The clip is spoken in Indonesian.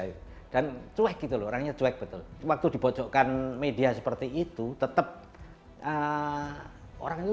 betul dan cuek gitu orangnya cuek betul waktu dibocokkan media seperti itu tetep orangnya